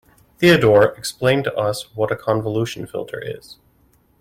Theodore explained to us what a convolution filter is.